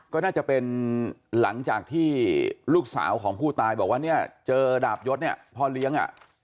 ก็น่าจะเป็นหลังจากที่ลูกสาวของผู้ตายบอกว่าเจอดาบยศพอเลี้ยง